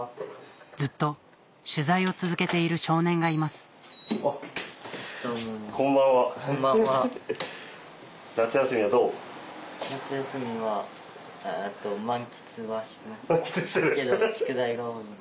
ずっと取材を続けている少年がいます満喫してる。